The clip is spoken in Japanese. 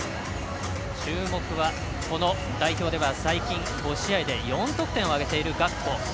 注目は代表では最近５試合で４得点を挙げているガクポ。